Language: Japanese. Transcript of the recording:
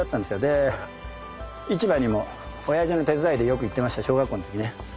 で市場にも親父の手伝いでよく行ってました小学校の時ね。